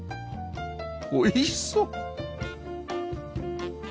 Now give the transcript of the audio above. おいしそう！